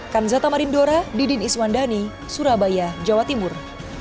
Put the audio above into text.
kanzata marindora didin iswandani surabaya jawa timur